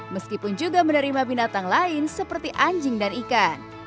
meskipun juga menerima binatang lain seperti anjing dan ikan